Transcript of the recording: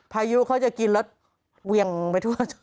พายุเขาจะกินแล้วเวียงไปทั่ว